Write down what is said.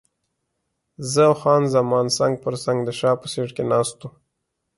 زه او خان زمان څنګ پر څنګ د شا په سیټ کې ناست وو.